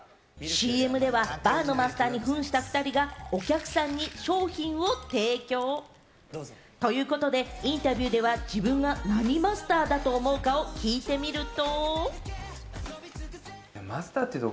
ＣＭではバーのマスターに扮した２人がお客さんに商品を提供。ということでインタビューでは自分が何マスターだと思うかを聞いてみると。